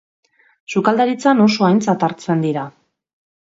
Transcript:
Sukaldaritzan oso aintzat hartzen dira.